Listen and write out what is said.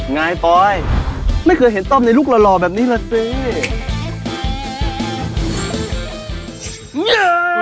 ไงปอยไม่เคยเห็นต้อมในลูกหล่อแบบนี้แหละสิ